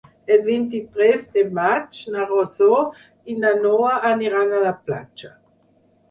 El vint-i-tres de maig na Rosó i na Noa aniran a la platja.